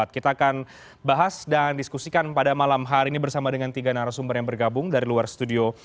kita akan bahas dan diskusikan pada malam hari ini bersama dengan tiga narasumber yang bergabung dari luar studio